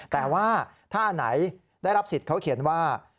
แต่ว่าถ้าอันไหนได้รับสิทธิ์เขาเขียนว่า